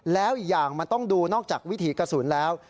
แล้วอีกอย่างมันต้องดูนอกจากวิถีกระสุนแล้ว